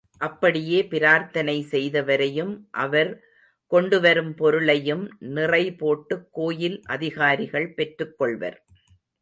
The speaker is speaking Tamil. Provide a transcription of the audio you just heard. அப்படியே பிரார்த்தனை செய்தவரையும் அவர் கொண்டுவரும் பொருளையும் நிறை போட்டு கோயில் அதிகாரிகள் பெற்றுக் கொள்வர்.